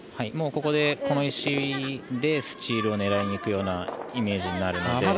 ここでこの石でスチールを狙いに行くようなイメージになるので。